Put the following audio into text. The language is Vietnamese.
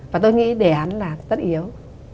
và tôi nghĩ đề án là tất yếu